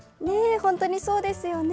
本当にそうですよね。